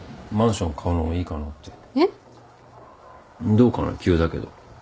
どうかな急だけど。